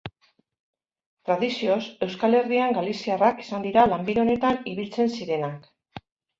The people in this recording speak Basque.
Tradizioz, Euskal Herrian galiziarrak izan dira lanbide honetan ibiltzen zirenak.